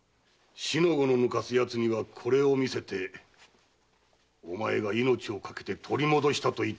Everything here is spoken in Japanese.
四の五の抜かす奴にはこれを見せてお前が命をかけて取り戻したと言ってやればよい。